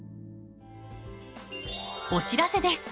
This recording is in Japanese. お知らせです。